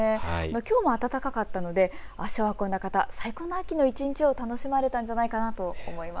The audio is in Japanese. きょうも暖かかったので足を運んだ方、最高の秋の一日を楽しまれたんじゃないかなと思います。